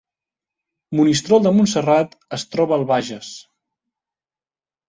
Monistrol de Montserrat es troba al Bages